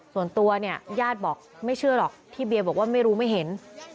ส่วนตัวเนี่ยญาติบอกไม่เชื่อหรอกที่เบียบอกว่าไม่รู้ไม่เห็น